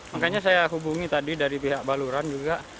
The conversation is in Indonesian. makanya saya hubungi tadi dari pihak baluran juga